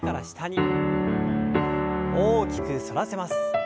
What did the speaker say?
大きく反らせます。